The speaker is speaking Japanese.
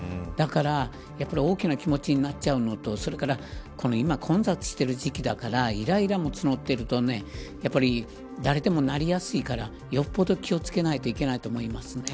だからやっぱり大きな気持ちになっちゃうのと今、混雑している時期だからいらいらもつのっていると誰でもなりやすいからよっぽど気を付けないといけない